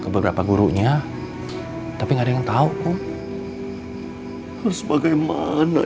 surnya apaan ini